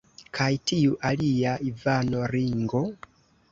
Kaj tiu alia, Ivano Ringo?